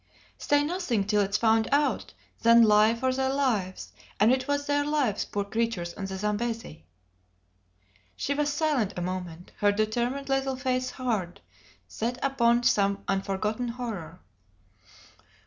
"Say nothing till it's found out; then lie for their lives; and it was their lives, poor creatures on the Zambesi!" She was silent a moment, her determined little face hard set upon some unforgotten horror.